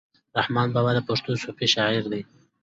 رحمان بابا د پښتو صوفي شاعر دی.